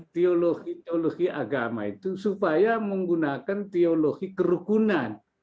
teologi teologi agama itu supaya menggunakan teologi kerukunan